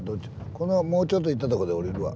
このもうちょっと行ったとこで降りるわ。